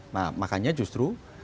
nah makanya justru